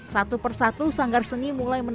satu persatu sanggar seni mulai menangis